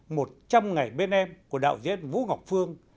một trăm ngày bên em của đạo diễn vũ ngọc phương